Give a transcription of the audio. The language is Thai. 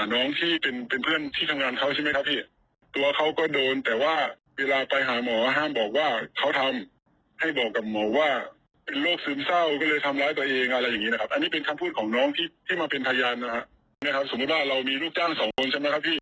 น้องที่มาเป็นพยานนะครับสมมุติว่าเรามีลูกจ้าง๒คนใช่มั้ยครับพี่